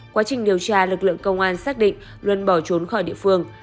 quá trình điều tra lực lượng công an xác định luân bỏ trốn khỏi địa phương